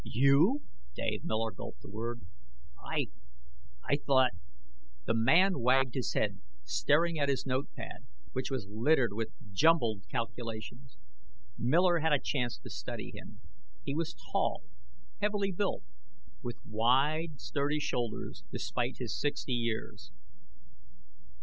"You!" Dave Miller gulped the word. "I I thought " The man wagged his head, staring at his note pad, which was littered with jumbled calculations. Miller had a chance to study him. He was tall, heavily built, with wide, sturdy shoulders despite his sixty years.